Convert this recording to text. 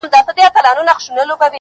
چي کله و ځینو اشعارو ته په لمن لیک کي